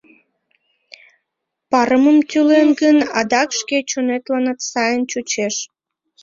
Парымым тӱлет гын, адак шке чонетланат сайын чучеш.